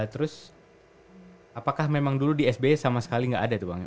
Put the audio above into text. terus apakah memang dulu di sby sama sekali nggak ada tuh bang